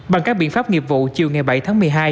bằng các biện pháp nghiệp vụ chiều ngày bảy tháng một mươi hai